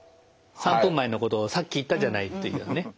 ３分前のことをさっき言ったじゃないというね。